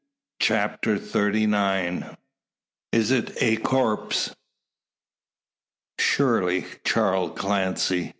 CHAPTER THIRTY NINE. IS IT A CORPSE? "Surely Charl Clancy!"